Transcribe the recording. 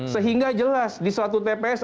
sehingga jelas di suatu tps